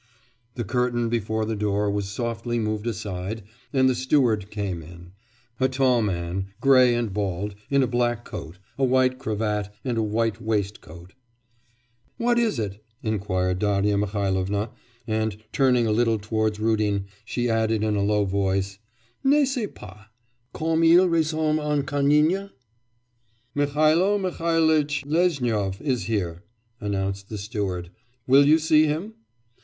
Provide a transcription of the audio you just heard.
The curtain before the door was softly moved aside and the steward came in, a tall man, grey and bald, in a black coat, a white cravat, and a white waistcoat. 'What is it?' inquired Darya Mihailovna, and, turning a little towards Rudin, she added in a low voice, 'n'est ce pas, comme il ressemble à Canning?' 'Mihailo Mihailitch Lezhnyov is here,' announced the steward. 'Will you see him?